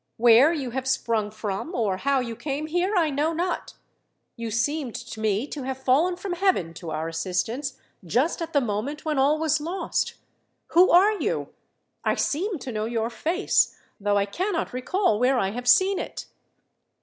"Where you have sprung from, or how you came here, I know not. You seemed to me to have fallen from heaven to our assistance, just at the moment when all was lost. Who are you? I seem to know your face, though I cannot recall where I have seen it."